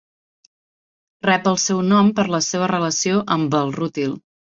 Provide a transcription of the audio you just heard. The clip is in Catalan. Rep el seu nom per la seva relació amb el rútil.